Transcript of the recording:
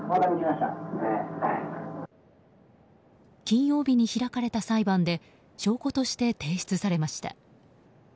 金曜日に開かれた裁判で証拠として提出されました。